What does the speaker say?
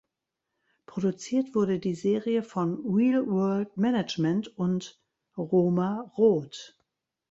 Produziert wurde die Serie von Reel World Management und Roma Roth.